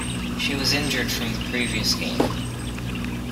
She was injured from the previous game.